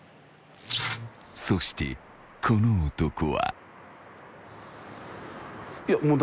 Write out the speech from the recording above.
［そしてこの男は］いや。